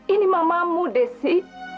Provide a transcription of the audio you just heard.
ini mamamu desi